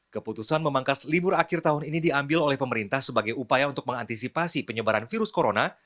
keputusan memangkas libur akhir tahun ini diambil oleh pemerintah sebagai upaya untuk mengantisipasi penyebaran virus corona